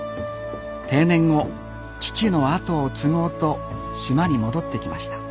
定年後父の後を継ごうと島に戻ってきました。